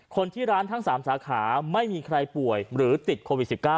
คนที่ร้านทั้ง๓สาขาไม่มีใครป่วยหรือติดโควิด๑๙